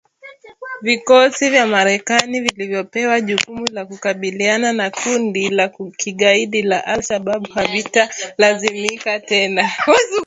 Vikosi vya Marekani vilivyopewa jukumu la kukabiliana na kundi la kigaidi la al-Shabab havitalazimika tena